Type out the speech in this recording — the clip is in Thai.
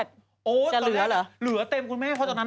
โดนกิน